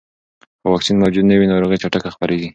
که واکسین موجود نه وي، ناروغي چټکه خپرېږي.